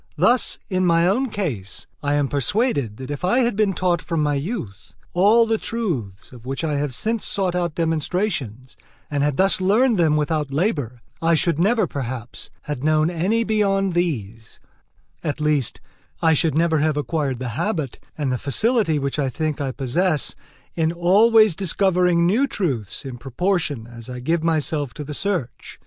Thus, in my own case, I am persuaded that if I had been taught from my youth all the truths of which I have since sought out demonstrations, and had thus learned them without labour, I should never, perhaps, have known any beyond these; at least, I should never have acquired the habit and the facility which I think I possess in always discovering new truths in proportion as I give myself to the search.